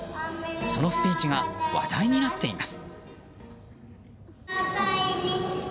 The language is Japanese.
そのスピーチが話題になっています。